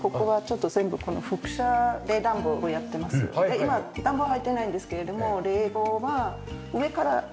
今暖房入ってないんですけれども。